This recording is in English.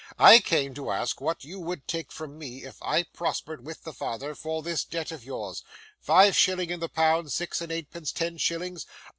I came to ask what you would take from me, if I prospered with the father, for this debt of yours. Five shillings in the pound, six and eightpence, ten shillings?